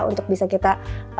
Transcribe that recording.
untuk bisa kita